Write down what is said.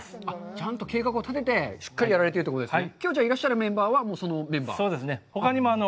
ちゃんと計画を立ててしっかりやられているということですね。